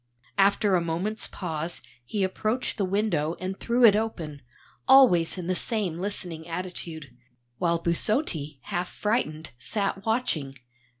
After a moment's pause he approached the window and threw it open, always in the same listening attitude, while Busotti, half frightened, sat watching.